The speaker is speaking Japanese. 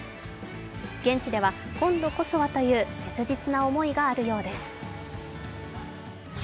現地では今度こそはという切実な思いがあるようです。